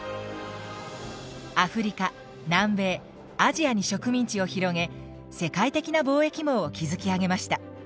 アフリカ南米アジアに植民地を広げ世界的な貿易網を築き上げました。